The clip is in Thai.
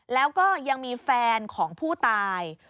แล้วก็ยังมีแฟนของผู้ตาย